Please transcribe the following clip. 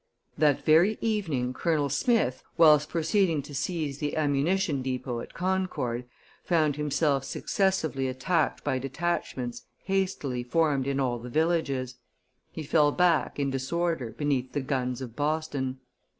That very evening, Colonel Smith, whilst proceeding to seize the ammunition depot at Concord, found himself successively attacked by detachments hastily formed in all the villages; he fell back in disorder beneath the guns of Boston.